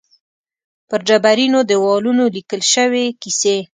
پر ډبرینو دېوالونو لیکل شوې کیسې.